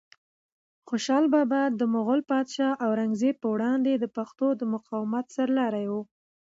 خوشحال بابا د مغول پادشاه اورنګزیب په وړاندې د پښتنو د مقاومت سرلاری و.